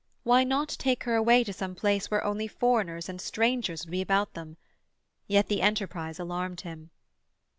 Why not take her away to some place where only foreigners and strangers would be about them? Yet the enterprise alarmed him.